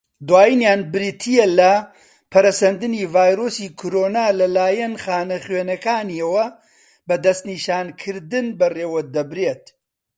دوایینیان بریتییە لە، پەرەسەندنی ڤایرۆسی کۆڕۆنا لەلایەن خانەخوێنەکانییەوە بە دەستنیشانکردن بەڕێوەدەبردێت.